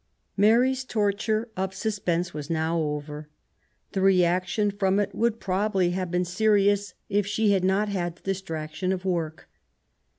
Mary's torture of suspense was now over. The reac tion from it would probably have been serious, if she had not had the distraction of work.